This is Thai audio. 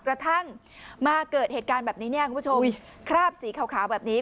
กระทั่งมาเกิดเหตุการณ์แบบนี้เนี่ยคุณผู้ชมคราบสีขาวแบบนี้